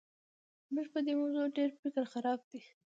زموږ په دې موضوع ډېر فکر خراب دی.